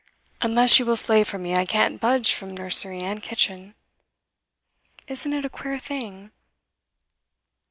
Unless you will slave for me, I can't budge from nursery and kitchen. Isn't it a queer thing?